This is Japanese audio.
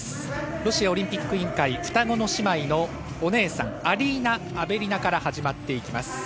ロシアオリンピック委員会、双子の姉妹のお姉さん、アリーナ・アベリナから始まっていきます。